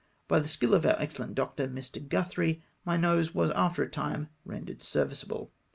By the skill of our excellent doctor, Mr. Guthrie, my nose was after a time ren dered serviceable.